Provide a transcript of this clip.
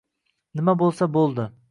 Nima bo`lsa, bo`ldi